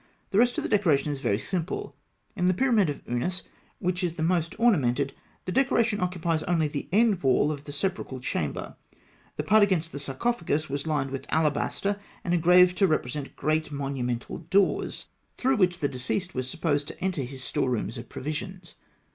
The rest of the decoration is very simple. In the pyramid of Ûnas, which is the most ornamented, the decoration occupies only the end wall of the sepulchral chamber; the part against the sarcophagus was lined with alabaster, and engraved to represent great monumental doors, through which the deceased was supposed to enter his storerooms of provisions.